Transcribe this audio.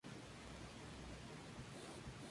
Él es carpintero del pueblo.